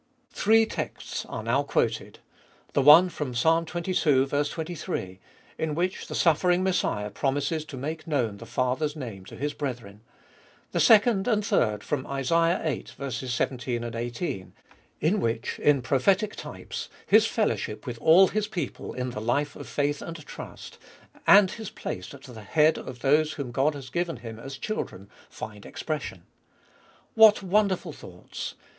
Three texts are now quoted ; the one from Ps. xxii. 23, in which the suffering Messiah promises to make known the Father's name to His brethren ; the second and third from Isa. viii. 17, 1 8, in which, in prophetic types, His fellowship with all His people in the life of faith and trust, and His place at the head of those whom God has given Him as children, find expression. What wonderful thoughts